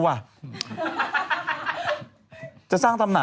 เขาถึงได้ถูกกันเต็มไปหมดเลย